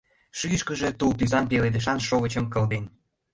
Шӱйышкыжӧ тул тӱсан пеледышан шовычым кылден.